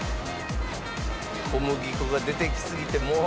小麦粉が出てきすぎてもう。